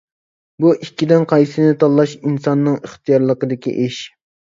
بۇ ئىككىدىن قايسىنى تاللاش ئىنساننىڭ ئىختىيارلىقىدىكى ئىش.